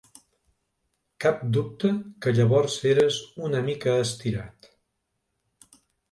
Cap dubte que llavors eres una mica estirat.